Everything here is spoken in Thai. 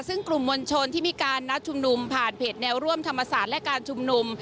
ซึ่งกลุ่มมวลชนที่มีการนัดชุมนุมผ่านเพจแนวร่วมธรรมศาสตร์และการชุมนุม